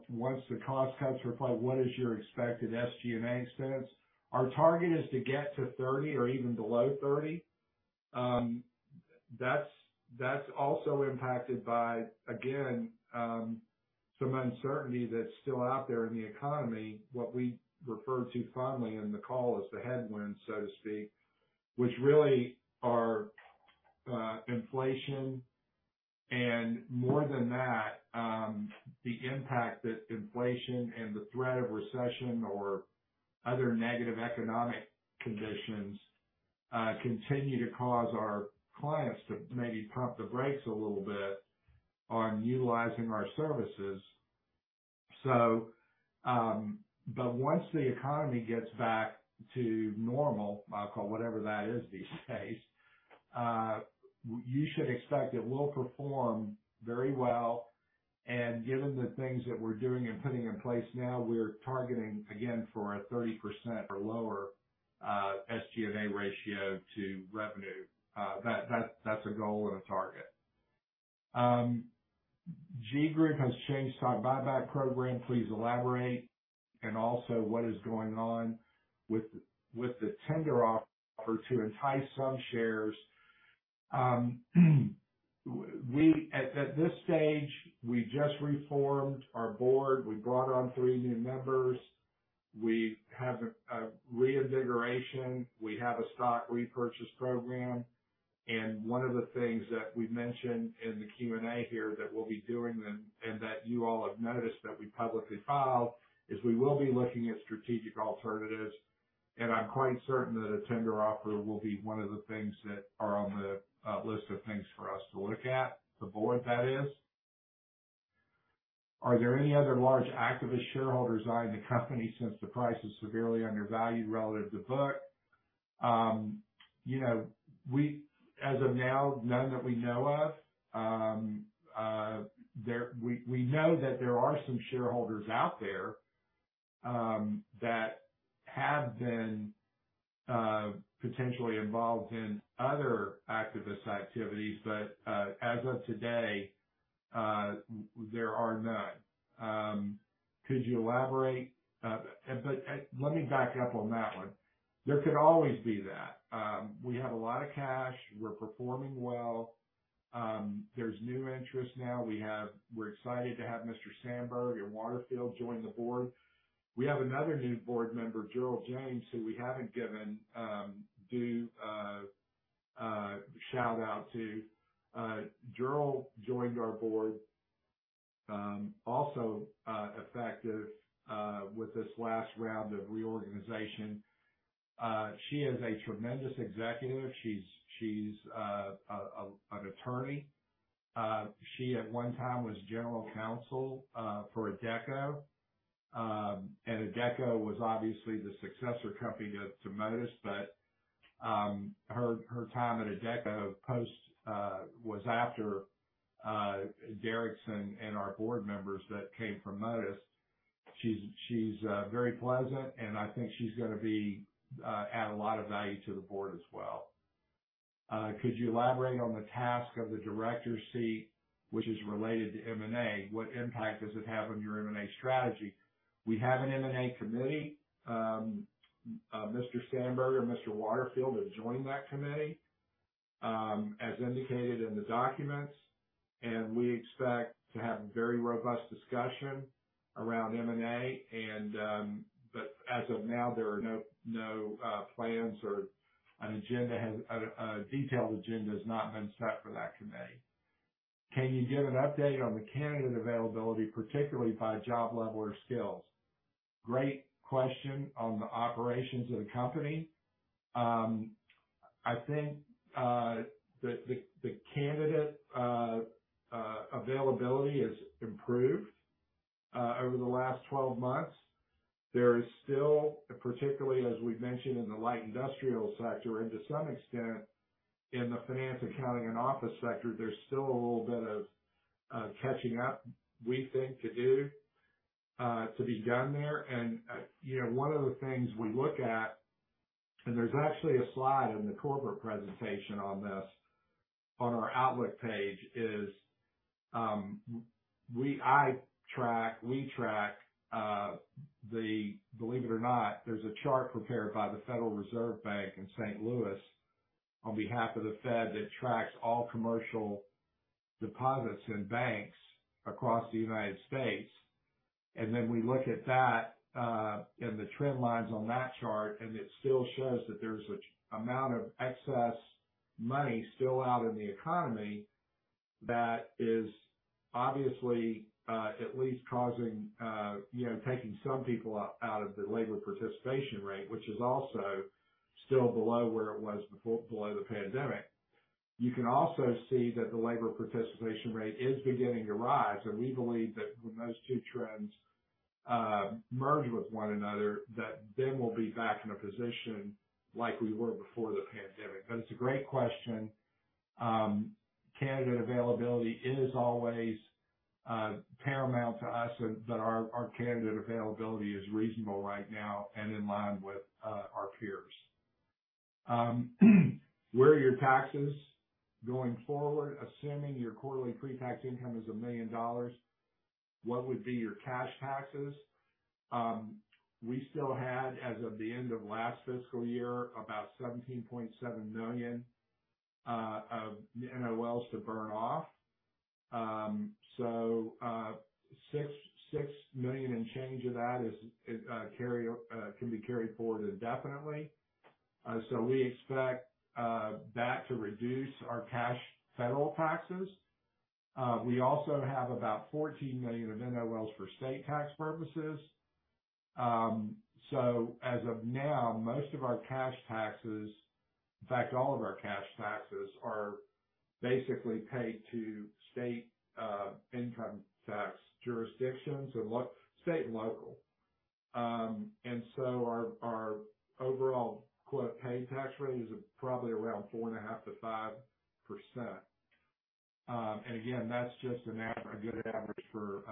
once the cost cuts are applied, what is your expected SG&A expense? Our target is to get to 30% or even below 30%. That's, that's also impacted by, again, some uncertainty that's still out there in the economy, what we refer to fondly in the call as the headwinds, so to speak, which really are inflation. More than that, the impact that inflation and the threat of recession or other negative economic conditions continue to cause our clients to maybe pump the brakes a little bit on utilizing our services. Once the economy gets back to normal, Michael, whatever that is these days, you should expect it will perform very well. Given the things that we're doing and putting in place now, we're targeting, again, for a 30% or lower SG&A ratio to revenue. That, that, that's a goal and a target. GEE Group has changed our buyback program. Please elaborate. Also, what is going on with, with the tender offer to entice some shares? At, at this stage, we just reformed our board. We brought on three new members. We have a, a re-invigoration. We have a stock repurchase program. One of the things that we've mentioned in the Q&A here that we'll be doing and, and that you all have noticed that we publicly filed, is we will be looking at strategic alternatives. I'm quite certain that a tender offer will be one of the things that are on the list of things for us to look at, the board, that is. Are there any other large activist shareholders eyeing the company since the price is severely undervalued relative to book? You know, as of now, none that we know of. We, we know that there are some shareholders out there, that have been potentially involved in other activist activities, but as of today, there are none. Could you elaborate? Let me back up on that one. There could always be that. We have a lot of cash. We're performing well. There's new interest now. We're excited to have Mr. Sandberg and Waterfield join the board. We have another new board member, Jyrl James, who we haven't given due shout-out to. Jyrl joined our board also effective with this last round of reorganization. She is a tremendous executive. She's, she's an attorney. She, at one time, was general counsel for Adecco. Adecco was obviously the successor company of to Modis, but her, her time at Adecco post was after Derek's son and our board members that came from Modis. She's, she's very pleasant, and I think she's gonna be add a lot of value to the board as well. Could you elaborate on the task of the director seat, which is related to M&A? What impact does it have on your M&A strategy? We have an M&A committee. Mr. Sandberg and Mr. Waterfield have joined that committee, as indicated in the documents, we expect to have very robust discussion around M&A. But as of now, there are no, no plans or an agenda has. A detailed agenda has not been set for that committee. Can you give an update on the candidate availability, particularly by job level or skills? Great question on the operations of the company. I think the candidate availability has improved over the last 12 months. There is still, particularly as we've mentioned in the light industrial sector and to some extent in the finance, accounting, and office sector, there's still a little bit of catching up, we think, to do, to be done there. You know, one of the things we look at, and there's actually a slide in the corporate presentation on this, on our outlook page, is I track, we track, the, believe it or not, there's a chart prepared by the Federal Reserve Bank in St. Louis on behalf of the Fed, that tracks all commercial deposits in banks across the United States. Then we look at that, and the trend lines on that chart, and it still shows that there's an amount of excess money still out in the economy that is obviously, at least causing, you know, taking some people out of the labor participation rate, which is also still below where it was below the pandemic. You can also see that the labor participation rate is beginning to rise, and we believe that when those two trends merge with one another, that then we'll be back in a position like we were before the pandemic. It's a great question. Candidate availability is always paramount to us, and that our candidate availability is reasonable right now and in line with our peers. Where are your taxes going forward? Assuming your quarterly pre-tax income is $1 million, what would be your cash taxes? We still had, as of the end of last fiscal year, about $17.7 million of NOLs to burn off. $6 million and change of that can be carried forward indefinitely. We expect that to reduce our cash federal taxes. We also have about $14 million of NOLs for state tax purposes. As of now, most of our cash taxes, in fact, all of our cash taxes, are basically paid to state income tax jurisdictions and state and local. Our overall quote, "paid tax rate," is probably around 4.5%-5%. Again, that's just a good average for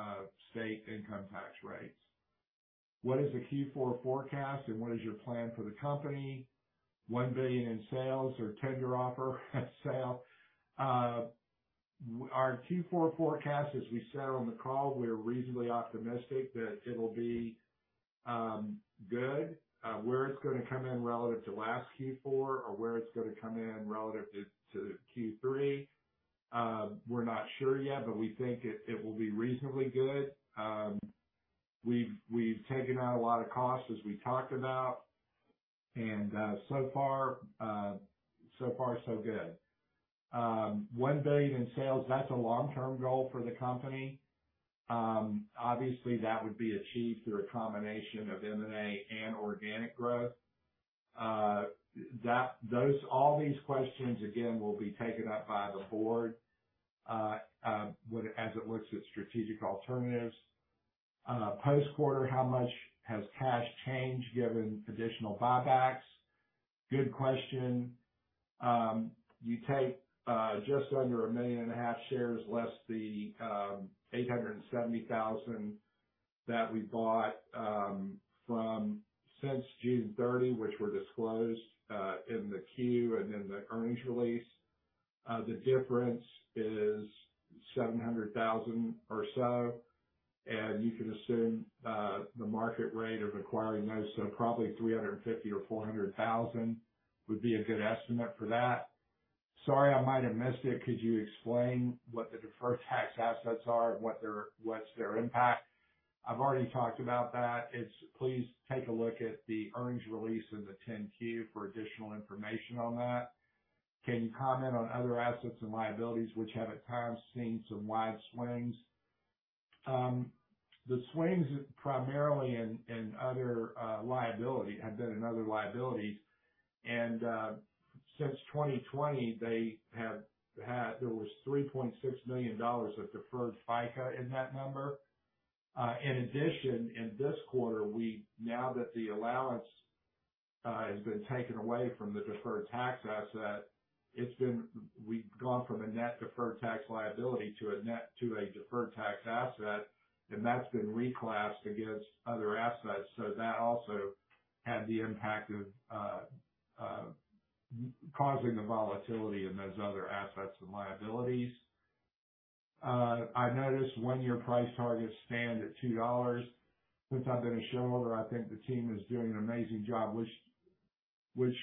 state income tax rates. What is the Q4 forecast, and what is your plan for the company? $1 billion in sales or tender offer at sale. Our Q4 forecast, as we said on the call, we're reasonably optimistic that it'll be good. Where it's gonna come in relative to last Q4 or where it's gonna come in relative to, to Q3, we're not sure yet, but we think it, it will be reasonably good. We've, we've taken out a lot of costs, as we talked about, and so far, so far, so good. $1 billion in sales, that's a long-term goal for the company. Obviously, that would be achieved through a combination of M&A and organic growth. All these questions, again, will be taken up by the board, as it looks at strategic alternatives. Post-quarter, how much has cash changed given additional buybacks? Good question. You take just under 1.5 million shares, less the 870,000 that we bought since June 30, which were disclosed in the 10-Q and in the earnings release. The difference is 700,000 or so, and you can assume the market rate of acquiring those, so probably $350,000 or $400,000 would be a good estimate for that. Sorry, I might have missed it. Could you explain what the deferred tax assets are and what's their impact? I've already talked about that. Please take a look at the earnings release and the 10-Q for additional information on that. Can you comment on other assets and liabilities which have, at times, seen some wide swings? The swings primarily in, in other liability, have been in other liabilities, and since 2020, there was $3.6 million of deferred FICA in that number. In addition, in this quarter, now that the allowance has been taken away from the deferred tax asset, it's been. We've gone from a net deferred tax liability to a net to a deferred tax asset, and that's been reclassed against other assets. That also had the impact of causing the volatility in those other assets and liabilities. I noticed one-year price targets stand at $2. Since I've been a shareholder, I think the team is doing an amazing job, which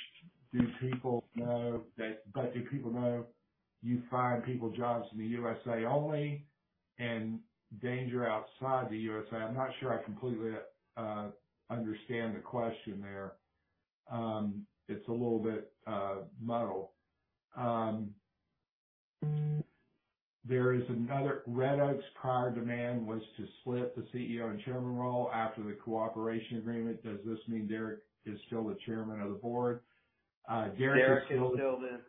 do people know that? Do people know you fire people jobs in the USA only and danger outside the USA? I'm not sure I completely understand the question there. It's a little bit muddled. There is another... Red Oak's prior demand was to split the CEO and chairman role after the cooperation agreement. Does this mean Derek is still the chairman of the board? Derek is still- Derek is still the.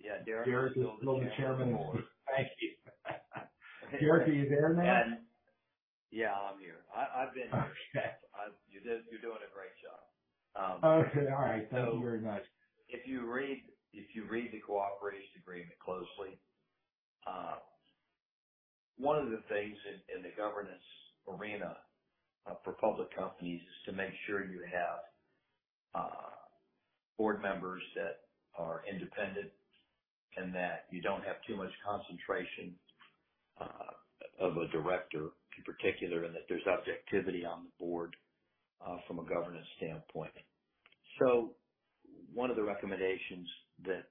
Yeah, Derek. Derek is still the chairman. Thank you. Derek, are you there, man? Yeah, I'm here. I, I've been here. You're doing a great job. Okay. All right. Thank you very much. If you read, if you read the cooperation agreement closely, one of the things in, in the governance arena, for public companies is to make sure you have board members that are independent and that you don't have too much concentration of a director in particular, and that there's objectivity on the board from a governance standpoint. One of the recommendations that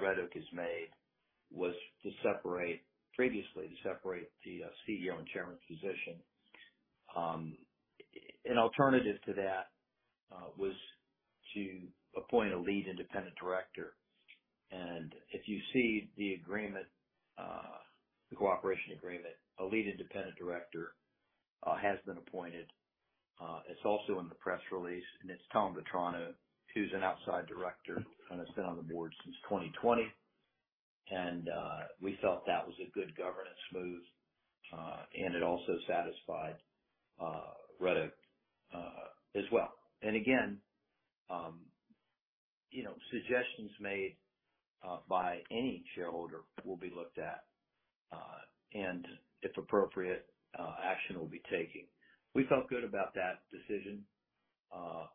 Red Oak has made was previously, to separate the CEO and chairman position. An alternative to that was to appoint a lead independent director. If you see the agreement, the cooperation agreement, a lead independent director has been appointed. It's also in the press release, and it's Tom Vetrano, who's an outside director, and has been on the board since 2020. We felt that was a good governance move, and it also satisfied Red Oak as well. Again, you know, suggestions by any shareholder will be looked at, and if appropriate, action will be taken. We felt good about that decision,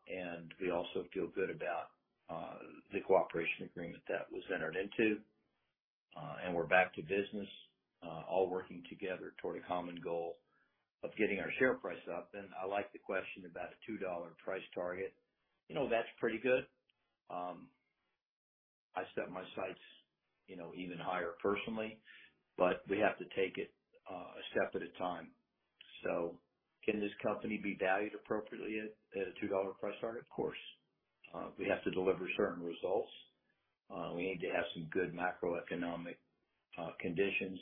and we also feel good about the cooperation agreement that was entered into. We're back to business, all working together toward a common goal of getting our share price up. I like the question about a $2 price target. You know, that's pretty good. I set my sights, you know, even higher personally, but we have to take it a step at a time. Can this company be valued appropriately at, at a $2 price target? Of course. We have to deliver certain results. We need to have some good macroeconomic conditions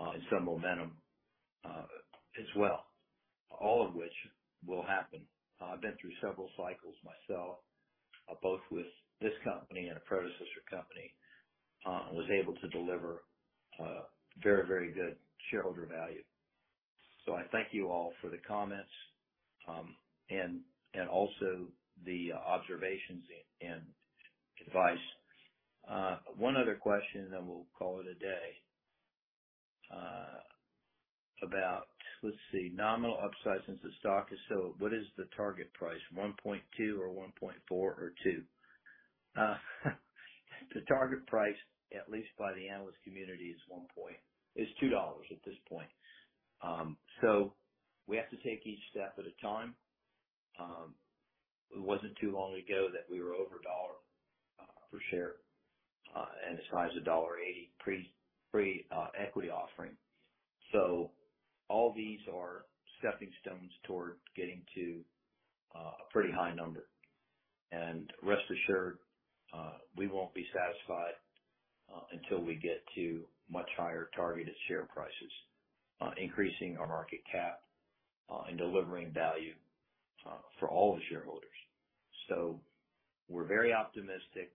and some momentum as well, all of which will happen. I've been through several cycles myself, both with this company and a predecessor company, and was able to deliver very, very good shareholder value. I thank you all for the comments, and also the observations and advice. One other question, and then we'll call it a day. About... Let's see, nominal upside since the stock is so, what is the target price? $1.2 or $1.4 or $2? The target price, at least by the analyst community, is $2 at this point. We have to take each step at a time. It wasn't too long ago that we were over $1 per share, and as high as $1.80 pre-equity offering. All these are stepping stones toward getting to a pretty high number. Rest assured, we won't be satisfied until we get to much higher targeted share prices, increasing our market cap, and delivering value for all the shareholders. We're very optimistic.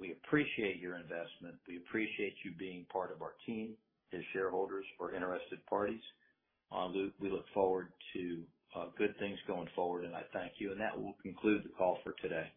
We appreciate your investment. We appreciate you being part of our team as shareholders or interested parties. We, we look forward to good things going forward, and I thank you. That will conclude the call for today.